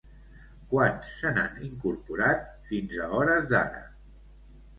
Quants se n'han incorporat, fins a hores d'ara?